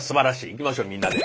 いきましょうみんなで。